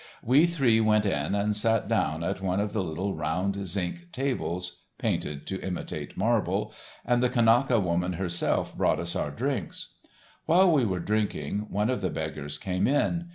We three went in and sat down at one of the little round zinc tables—painted to imitate marble—and the Kanaka woman herself brought us our drinks. While we were drinking, one of the beggars came in.